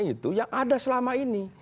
itu yang ada selama ini